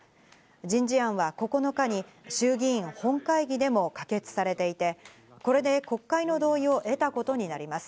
人事案は９日に衆議院本会議でも可決されていて、これで国会の同意を得たことになります。